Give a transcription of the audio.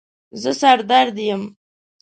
زه سر درد یم